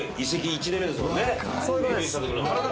１年目ですもんね。